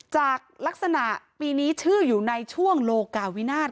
จากลักษณะปีนี้ชื่ออยู่ในช่วงโลกาวินาท